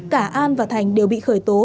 cả an và thành đều bị khởi tố